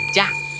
tidak ada apa apa